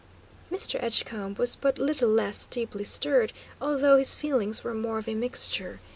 Mr. Edgecombe was but little less deeply stirred, although his feelings were more of a mixture.